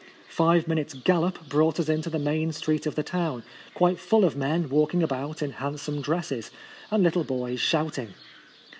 Five minutes' gallop brought us into the main street of the town, quite full of men walking about in handsome dresses, and little boys shouting.